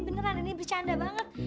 beneran ini bercanda banget